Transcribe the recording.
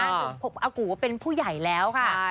อากูว่าเป็นผู้ใหญ่แล้วค่ะ